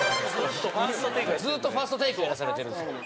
ずっとファーストテイクやらされてるんですよ。